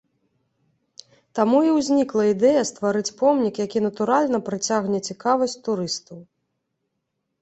Таму і ўзнікла ідэя стварыць помнік, які, натуральна, прыцягне цікавасць турыстаў.